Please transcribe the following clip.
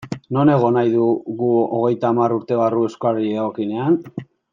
Non egon nahi dugu hogeita hamar urte barru euskarari dagokionean?